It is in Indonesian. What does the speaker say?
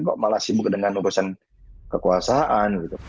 kok malah sibuk dengan urusan kekuasaan